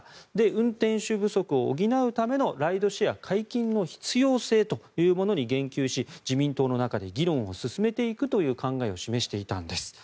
運転手不足を補うためのライドシェア解禁の必要性というものに言及し自民党の中で議論を進めていくという考えを示していたんです。